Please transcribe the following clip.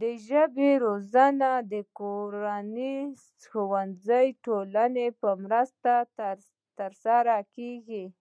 د ژبې روزنه د کورنۍ، ښوونځي او ټولنې په مرسته ترسره کیږي.